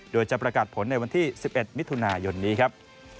โดยจะประกาศผลในวันที่๑๑มิถุนายนนี้ครับ